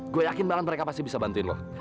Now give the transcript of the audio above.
gue yakin banget mereka pasti bisa bantuin lo